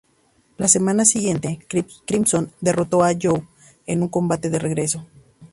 La semana siguiente, Crimson derrotó a Joe en su combate de regreso.